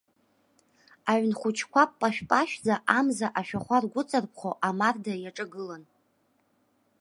Аҩн хәыҷқәа пашә-пашәӡа, амза ашәахәа ргәыҵарԥхо, амарда иаҿагылан.